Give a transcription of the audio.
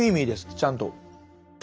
ちゃんと。